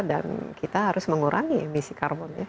dan kita harus mengurangi emisi karbon